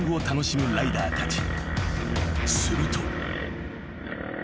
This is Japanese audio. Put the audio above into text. ［すると］